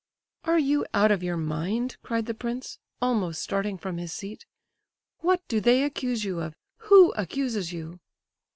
"Are you out of your mind?" cried the prince, almost starting from his seat. "What do they accuse you of? Who accuses you?"